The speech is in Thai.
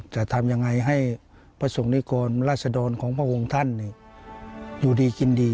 จะทำยังไงให้ประสงค์นิกรราชดรของพระองค์ท่านอยู่ดีกินดี